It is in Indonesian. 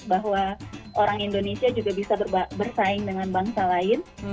bahwa orang indonesia juga bisa bersaing dengan bangsa lain